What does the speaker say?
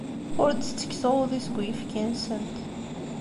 Ur d-ttekkseɣ udi seg uyefki-nsent.